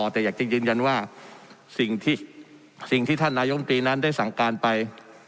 แต่อยากจะยืนยันว่าสิ่งที่ท่านนายมตรีนั้นได้สั่งการไป